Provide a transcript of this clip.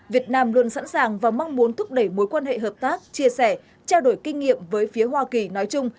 việt nam luôn sẵn sàng và mong muốn thúc đẩy mối quan hệ hợp tác chia sẻ trao đổi kinh nghiệm với phía hoa kỳ nói chung